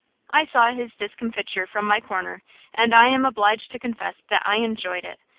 I saw his discomfiture from my corner, and I am obliged to confess that I enjoyed it.